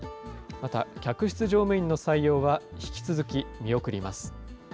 また、客室乗務員の採用は引き続き見送ります。